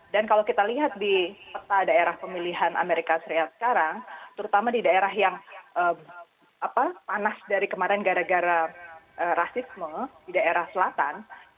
kalau kita lihat di peta daerah pemilihan amerika serikat sekarang terutama di daerah yang panas dari kemarin gara gara rasisme di daerah selatan